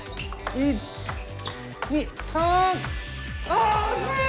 あ惜しい！